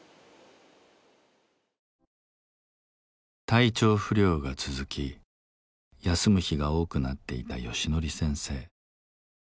体調不良が続き休む日が多くなっていたヨシノリ先生。